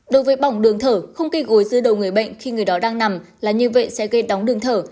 đối với bỏng đường thở không gây gối dư đầu người bệnh khi người đó đang nằm là như vậy sẽ gây đóng đường thở